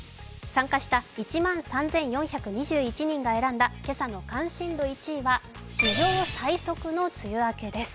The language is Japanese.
参加した１万３４３１人が選んだ今朝の１位は史上最速の梅雨明けです。